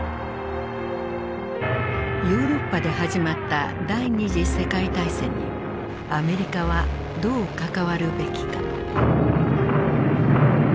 ヨーロッパで始まった第二次世界大戦にアメリカはどう関わるべきか。